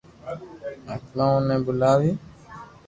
آتمائون ني ٻولاويو